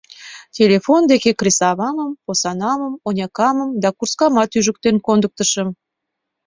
Телефон деке кресавамым, посанамым, онякамым да курскамымат ӱжыктен кондыктышым.